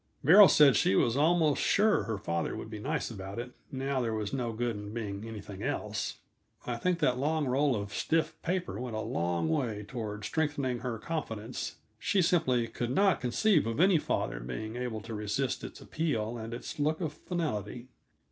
Beryl said she was almost sure her father would be nice about it, now there was no good in being anything else. I think that long roll of stiff paper went a long way toward strengthening her confidence; she simply could not conceive of any father being able to resist its appeal and its look of finality.